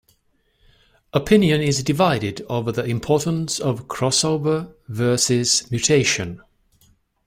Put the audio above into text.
Opinion is divided over the importance of crossover versus mutation.